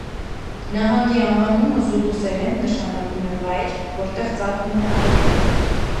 Նահանգի անվանումը զուլուսերեն նշանակում է «վայր, որտեղ ծագում է արևը»։